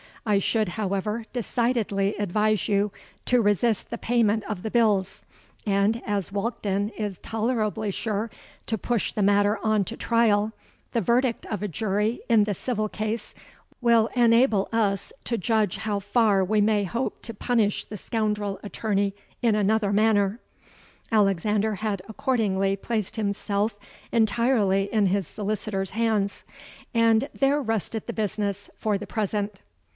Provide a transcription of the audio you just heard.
I should, however, decidedly advise you to resist the payment of the bills; and, as Walkden is tolerably sure to push the matter on to trial, the verdict of a jury in the civil case will enable us to judge how far we may hope to punish the scoundrel attorney in another manner.' Alexander had accordingly placed himself entirely in his solicitor's hands; and there rested the business for the present.